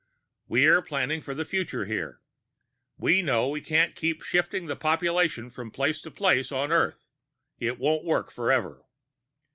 We're planning for the future here. We know we can't keep shifting population from place to place on Earth; it won't work forever.